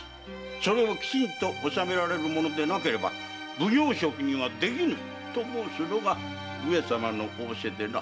それをきちんと治められる者でなければ奉行職にはできぬと申すのが上様の仰せでな。